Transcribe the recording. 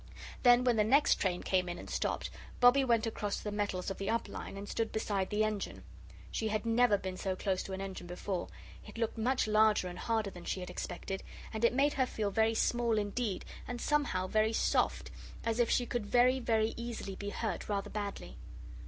Then when the next train came in and stopped, Bobbie went across the metals of the up line and stood beside the engine. She had never been so close to an engine before. It looked much larger and harder than she had expected, and it made her feel very small indeed, and, somehow, very soft as if she could very, very easily be hurt rather badly.